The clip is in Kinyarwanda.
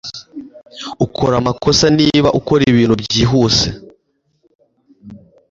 Ukora amakosa niba ukora ibintu byihuse